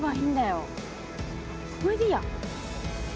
これでいいや。